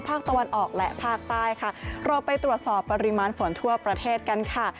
ภาคตะวันออกและภาคใต้ค่ะเราไปตรวจสอบปริมาณฝนทั่วประเทศกันค่ะ